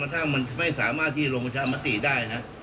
ถ้ามันไม่สามารถที่ลงประชามติได้นะ